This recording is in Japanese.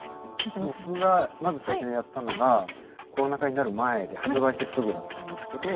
僕がまず最初にやったのがコロナ禍になる前で発売してすぐだったんですけど。